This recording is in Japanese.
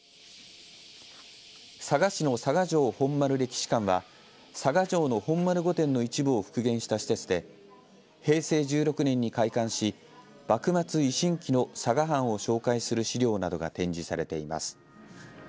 佐賀市の佐賀城本丸歴史館は佐賀城の本丸御殿の一部を復元した施設で平成１６年に開館し幕末・維新期の佐賀藩を紹介する資料などが展示されています。